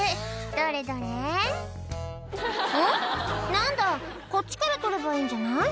何だこっちから取ればいいんじゃない？」